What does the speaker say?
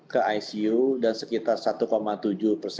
ke icu dan sekitar